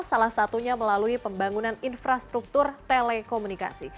salah satunya melalui pembangunan infrastruktur telekomunikasi